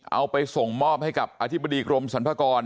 เอาไปส่งมอบให้กับอธิบดีกรมสรรพากร